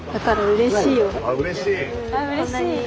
うれしい？